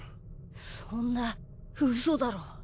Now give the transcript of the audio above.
そんなウソだろ。